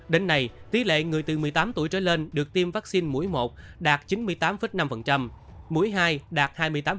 đến nay tỷ lệ người từ một mươi tám tuổi trở lên được tiêm vaccine mũi một đạt chín mươi tám năm mũi hai đạt hai mươi tám